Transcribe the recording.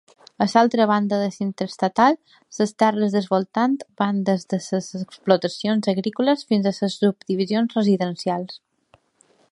A l'altra banda de l'Interestatal, les terres del voltant van des de les explotacions agrícoles fins a les subdivisions residencials.